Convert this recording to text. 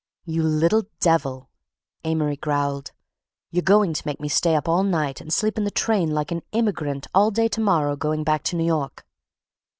"You little devil," Amory growled. "You're going to make me stay up all night and sleep in the train like an immigrant all day to morrow, going back to New York."